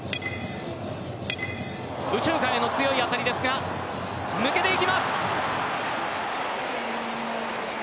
右中間への強い当たりですが抜けていきます！